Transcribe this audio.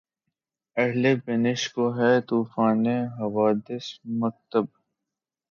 اہلِ بینش کو‘ ہے طوفانِ حوادث‘ مکتب